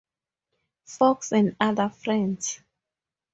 Fox and other friends.